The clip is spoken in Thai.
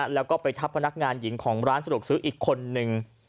แล้วก็ไปทับพนักงานหญิงของร้านสะดวกซื้ออีกคนนึง